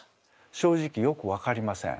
正直よくわかりません。